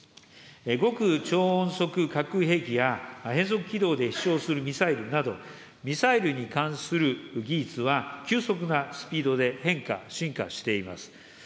極超音速核兵器や変則軌道で飛しょうするミサイルなど、ミサイルに関する技術は、急速なスピードで変化、進化しています。